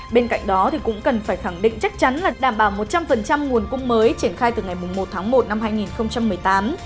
bên cạnh đó cũng cần phải khẳng định chắc chắn là đảm bảo một trăm linh nguồn cung mới triển khai từ ngày một tháng một năm hai nghìn một mươi tám